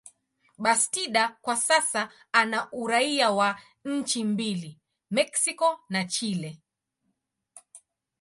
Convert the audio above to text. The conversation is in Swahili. Bastida kwa sasa ana uraia wa nchi mbili, Mexico na Chile.